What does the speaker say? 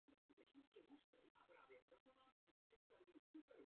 Těžká plemena holubů létají jen obtížně.